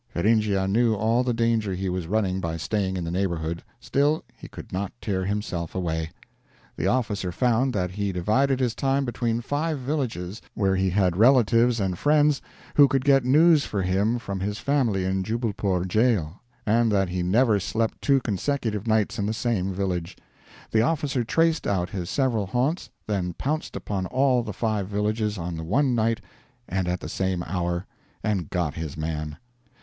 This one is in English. Feringhea knew all the danger he was running by staying in the neighborhood, still he could not tear himself away. The officer found that he divided his time between five villages where he had relatives and friends who could get news for him from his family in Jubbulpore jail; and that he never slept two consecutive nights in the same village. The officer traced out his several haunts, then pounced upon all the five villages on the one night and at the same hour, and got his man.